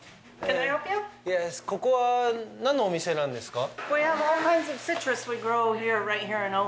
ここは何のお店なんですか。